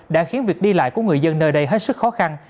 đã khiến việc đi lại của người dân nơi đây hết sức khó khăn